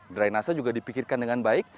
drainase juga dipikirkan dengan baik